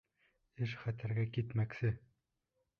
Эш хәтәргә китмәксе.